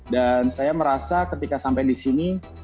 dan saya merasa ketika sampai ke sini